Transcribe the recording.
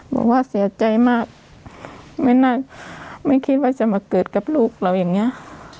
บอกว่าเสียใจมากไม่น่าไม่คิดว่าจะมาเกิดกับลูกเราอย่างนี้